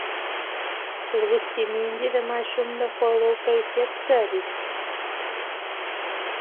لوستې میندې د ماشوم د خواړو کیفیت څاري.